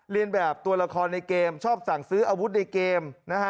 เรียนแบบตัวละครในเกมชอบสั่งซื้ออาวุธในเกมนะฮะ